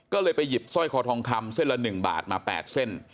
ก็เลยไปหยิบสร้อยคอทองคำเส้นละ๑บาทมา๘เส้น